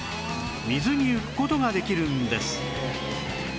水に浮く事ができるんです